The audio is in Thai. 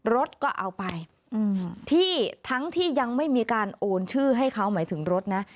รถก็เอาไปที่ทั้งที่ยังไม่มีการโอนชื่อให้เขาหมายถึงรถนะ